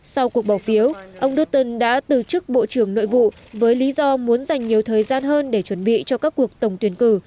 sau cuộc bỏ phiếu ông doutton đã từ chức bộ trưởng nội vụ với lý do muốn dành nhiều thời gian hơn để chuẩn bị cho các cuộc tổng tuyển cử